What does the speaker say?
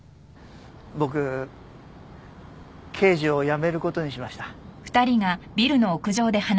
僕刑事を辞めることにしました